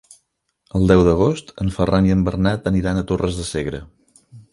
El deu d'agost en Ferran i en Bernat aniran a Torres de Segre.